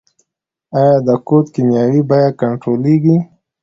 آیا د کود کیمیاوي بیه کنټرولیږي؟